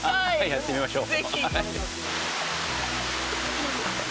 やってみましょう。